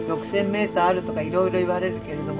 メーターあるとかいろいろ言われるけれどもね。